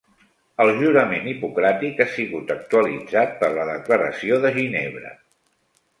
El jurament hipocràtic ha sigut actualitzat per la Declaració de Ginebra.